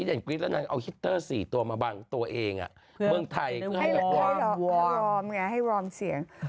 ให้วอร์มไงให้วอร์มเสียง